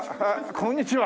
こんにちは！